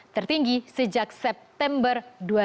tertinggi sejak september dua ribu sebelas